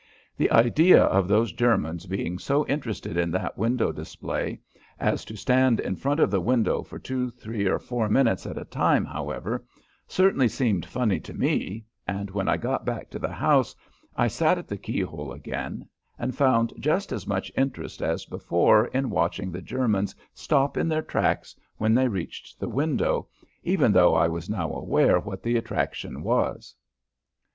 The idea of those Germans being so interested in that window display as to stand in front of the window for two, three, or four minutes at a time, however, certainly seemed funny to me, and when I got back to the house I sat at the keyhole again and found just as much interest as before in watching the Germans stop in their tracks when they reached the window, even though I was now aware what the attraction was.